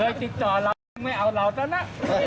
เฮ้ยติดต่อเราไม่เอาเราจ้ะนะ